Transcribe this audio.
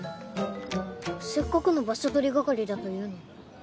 せっかくの場所取り係だというのに。